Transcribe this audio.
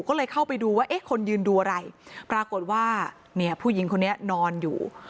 ก็เลยเข้าไปดูว่าเอ๊ะคนยืนดูอะไรปรากฏว่าเนี่ยผู้หญิงคนนี้นอนอยู่